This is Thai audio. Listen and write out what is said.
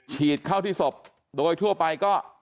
ฉีดเข้าที่ศพโดยทั่วไปก็